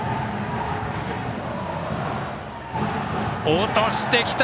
落としてきた！